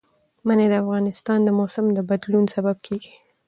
منی د افغانستان د موسم د بدلون سبب کېږي.